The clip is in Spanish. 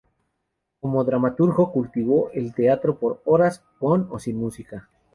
Como dramaturgo cultivó el teatro por horas, con o sin música.